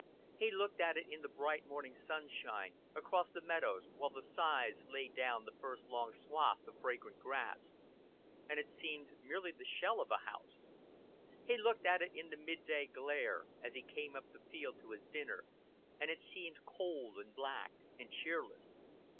He looked at it in the bright morning sunshine, across the meadows, while the scythes laid down the first long swathes of fragrant grass, and it seemed merely the shell of a house. He looked at it in the midday glare, as he came up the field to his dinner, and it seemed cold and black and cheerless.